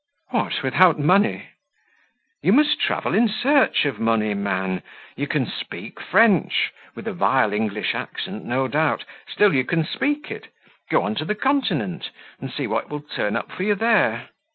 "What! without money?" "You must travel in search of money, man. You can speak French with a vile English accent, no doubt still, you can speak it. Go on to the Continent, and see what will turn up for you there."